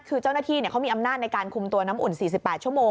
คือเจ้าหน้าที่เนี้ยเขามีอำนาจในการคุมตัวน้ำอุ่นสี่สิบแปดชั่วโมง